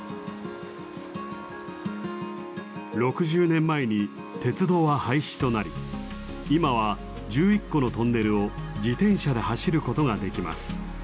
６０年前に鉄道は廃止となり今は１１個のトンネルを自転車で走ることができます。